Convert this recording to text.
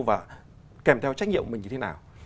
và kèm theo trách nhiệm của mình như thế nào